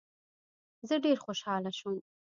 زه ډېر خوشاله شوم.